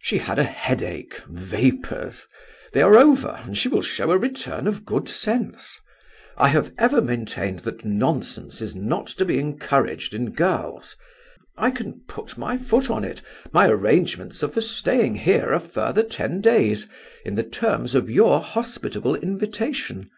She had a headache, vapours. They are over, and she will show a return of good sense. I have ever maintained that nonsense is not to be encouraged in girls. I can put my foot on it. My arrangements are for staying here a further ten days, in the terms of your hospitable invitation.